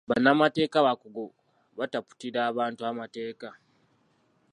Bannamateeka abakugu bataputira abantu amateeka.